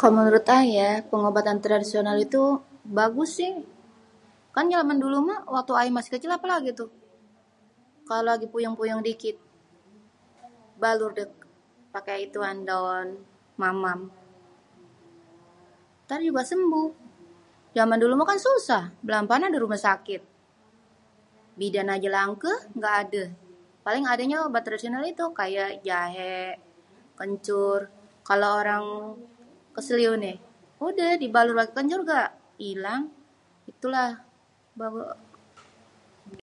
Kalo menurut ayé pengobatan tradisonal itu bagus sih. Kan jaman dulu mah waktu ayé masih kecil apalagi tuh, kalo lagi puyeng-puyeng dikit balur dah paké ituan daon mamam. Ntar juga sembuh. Jaman dulu mah kan susah belah mana ada rumah sakit, bidan aja langke nggak ade. Paling adanya obat tradisional itu, kayak jahe, kencur. Kalo orang keseleo nih, udah dibalur paké kencur ga ntar ilang. Itulah